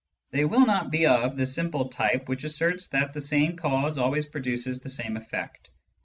They will not be of the simple type which asserts that the same cause always produces the same eflfixt.